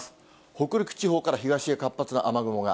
北陸地方から東へ活発な雨雲が。